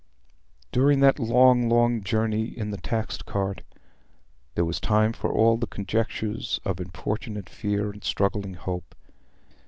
During that long, long journey in the taxed cart, there was time for all the conjectures of importunate fear and struggling hope.